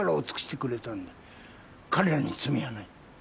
彼らに罪はない。